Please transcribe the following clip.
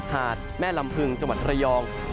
หาดแม่ลำพึงจังหวัดระยอง